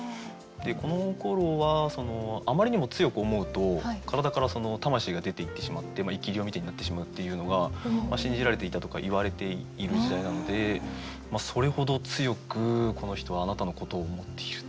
でこのころはあまりにも強く思うと体から魂が出ていってしまって生き霊みたいになってしまうっていうのが信じられていたとかいわれている時代なのでそれほど強くこの人はあなたのことを思っている。